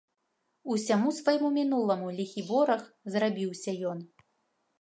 Усяму свайму мінуламу ліхі вораг зрабіўся ён.